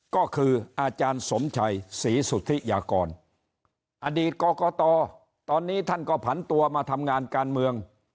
ก็คืออาจารย์สมชัยศรีสุธิยากรอดีตกรกตตอนนี้ท่านก็ผันตัวมาทำงานการเมือง